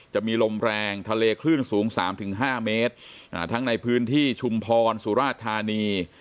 จะมีลมแรงทะเลคลื่นสูงสามถึงห้าเมตรอ่าทั้งในพื้นที่ชุมพรสุราธารณี